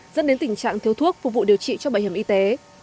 dẫn đến tình trạng thiếu thuốc phục vụ điều trị cho bảo hiểm y tế